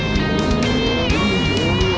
pak aku mau ke sana